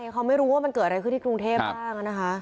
เขาไม่รู้ว่ามันเกิดอะไรขึ้นที่กรุงเทพบ้างนะคะ